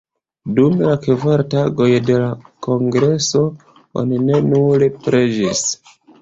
Dum la kvar tagoj de la kongreso oni ne nur preĝis.